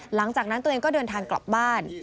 หลังจากนั้นตัวเองก็เดินทางกลับบ้าน